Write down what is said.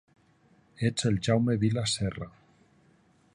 Ets el Jaume Vila Serra.